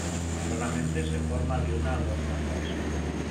Raramente se forman de una a dos ramas.